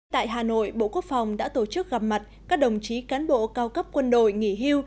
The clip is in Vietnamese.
tại hà nội bộ quốc phòng đã tổ chức gặp mặt các đồng chí cán bộ cao cấp quân đội nghỉ hưu